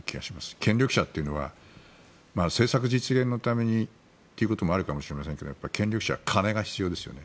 権力者というのは政策実現のためにということもあるかもしれませんがやっぱり権力者は金が必要ですよね。